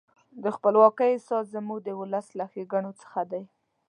د خپلواکۍ احساس زموږ د ولس له ښېګڼو څخه دی.